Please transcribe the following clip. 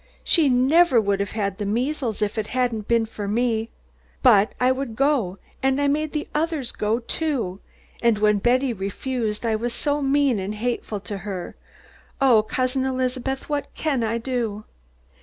She never would have had the measles if it hadn't been for me. But I would go, and I made the others go, too. And when Betty refused I was so mean and hateful to her! Oh, Cousin Elizabeth, what can I do?"